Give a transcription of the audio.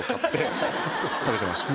食べてました。